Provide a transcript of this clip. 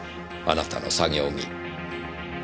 あなたの作業着。